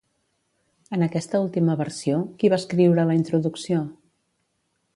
En aquesta última versió, qui va escriure la introducció?